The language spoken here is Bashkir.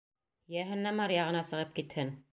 Йәһәннәм аръяғына сығып китһен!